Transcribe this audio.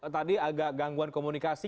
tadi agak gangguan komunikasi